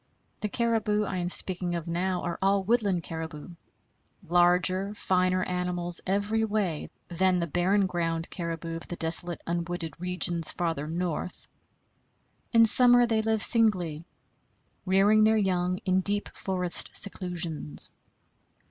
The caribou I am speaking of now are all woodland caribou larger, finer animals every way than the barren ground caribou of the desolate unwooded regions farther north. In summer they live singly, rearing their young in deep forest seclusions.